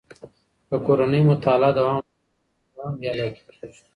که کورنۍ مطالعه دوام ورکړي، ماشوم نه بې علاقې کېږي.